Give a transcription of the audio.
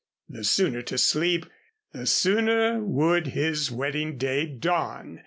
The sooner to sleep, the sooner would his wedding day dawn.